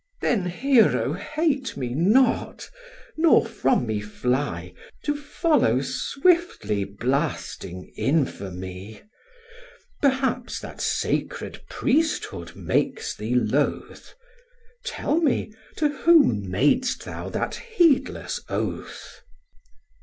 Then, Hero, hate me not, nor from me fly, To follow swiftly blasting imfamy. Perhaps thy sacred priesthood makes thee loath: Tell me, to whom mad'st thou that heedless oath?"